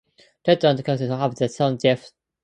Ted and Kathleen have one son, Jeff.